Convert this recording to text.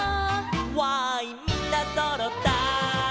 「わーいみんなそろったい」